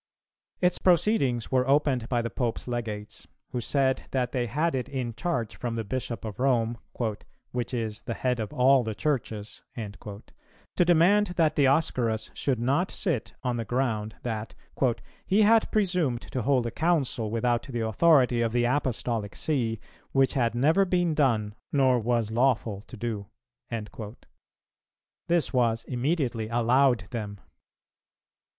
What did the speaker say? [308:2] Its proceedings were opened by the Pope's Legates, who said that they had it in charge from the Bishop of Rome, "which is the head of all the Churches," to demand that Dioscorus should not sit, on the ground that "he had presumed to hold a Council without the authority of the Apostolic See, which had never been done nor was lawful to do."[308:3] This was immediately allowed them.